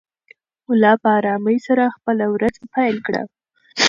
ملا په ارامۍ سره خپله ورځ پیل کړه.